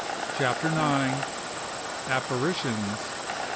CHAPTER IX. APPARITIONS.